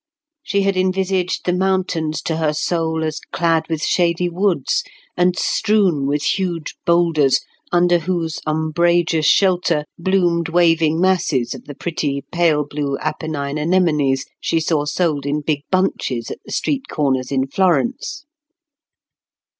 She had envisaged the mountains to her soul as clad with shady woods, and strewn with huge boulders under whose umbrageous shelter bloomed waving masses of the pretty pale blue Apennine anemones she saw sold in big bunches at the street corners in Florence.